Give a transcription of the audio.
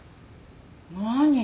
何？